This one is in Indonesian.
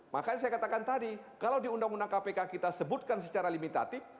makanya saya katakan tadi kalau di undang undang kpk kita sebutkan secara limitatif